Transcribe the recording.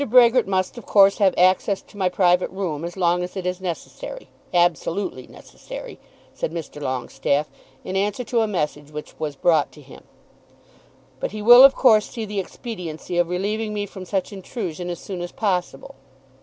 Brehgert must of course have access to my private room, as long as it is necessary, absolutely necessary," said Mr. Longestaffe in answer to a message which was brought to him; "but he will of course see the expediency of relieving me from such intrusion as soon as possible."